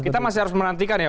kita masih harus menantikan ya